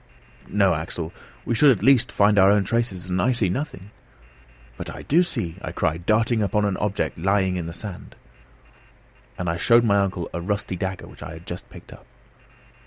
"No, Axel, we should at least find our own traces and I see nothing " "But I do see," I cried, darting upon an object lying on the sand. And I showed my uncle a rusty dagger which I had just picked up.